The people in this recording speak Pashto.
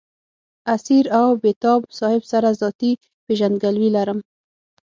اسیر او بېتاب صاحب سره ذاتي پېژندګلوي لرم.